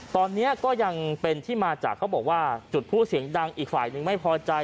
ตอนนี้ก็ยังเป็นที่มาจากเขาบอกว่าจุดผู้เสียงดังอีกฝ่ายนึงไม่พอใจ